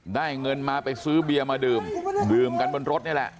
เงินมาไปซื้อเบียร์มาดื่มดื่มกันบนรถนี่แหละ